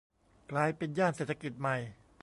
กลายเป็นย่านเศรษฐกิจใหม่